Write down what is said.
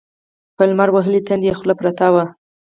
په لمر وهلي تندي يې خوله پرته وه.